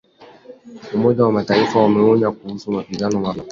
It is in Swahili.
Umoja wa Mataifa wawaonya kuhusu mapigano mapya